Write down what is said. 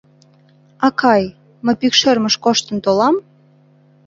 Акай, мый пӱкшермыш коштын толам?